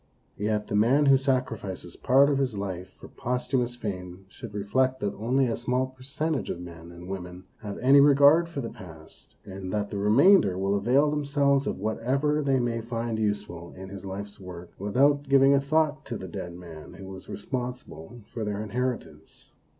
Yet the man who sacrifices part of his life for posthumous fame should reflect that only a small percentage of men and women have any regard for the past, and that the re mainder will avail themselves of whatever they may find useful in his life's work, with out giving a thought to the dead man who was responsible for their inheritance.